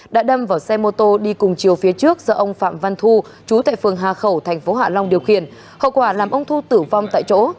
đã đâm vào xe mô tô đi cùng chiều phía trước do ông phạm văn thu chú tại phường hà khẩu tp hạ long điều khiển hậu quả làm ông thu tử vong tại chỗ